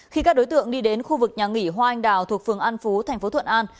khi các đối tượng đi đến khu vực nhà nghỉ hoa anh đào thuộc phường an phú thành phố thuận an